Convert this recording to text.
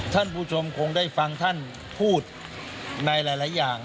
ท่านผู้ชมคงได้ฟังท่านพูดในหลายอย่าง